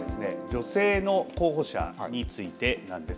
女性の候補者についてなんです。